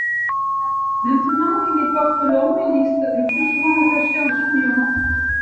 Maintenant, il les porte longs et lisses, le plus souvent attachés en chignon.